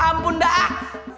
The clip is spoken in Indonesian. udah ampun dah